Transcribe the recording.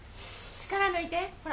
力抜いてほら。